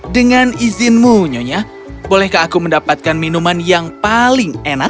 dengan izinmu nyonya bolehkah aku mendapatkan minuman yang paling enak